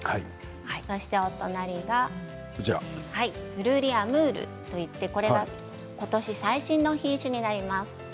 そしてお隣がフルーリーアムールといってことし最新の品種になります。